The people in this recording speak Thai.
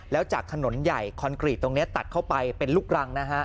แล้วจากถนนใหญ่คอนกรีตตรงนี้ตัดเข้าไปเป็นลูกรังนะฮะ